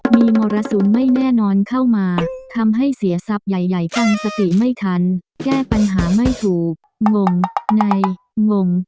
มีมรสุมไม่แน่นอนเข้ามาทำให้เสียทรัพย์ใหญ่ฟังสติไม่ทันแก้ปัญหาไม่ถูกงงในงง